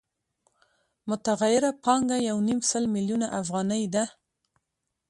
متغیره پانګه یو نیم سل میلیونه افغانۍ ده